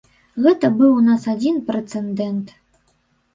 Гэта быў у нас адзін прэцэдэнт.